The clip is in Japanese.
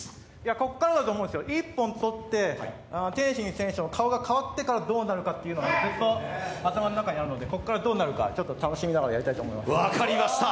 ここからだと思うんですよ、１本取って天心選手の顔が変わってからどうなるのかがずっと頭の中にあるのでここからどうなるのかちょっと楽しみながらやりたいと思います。